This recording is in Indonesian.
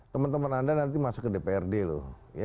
teman teman anda nanti masuk ke dprd loh